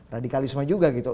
tindak radikalisme juga gitu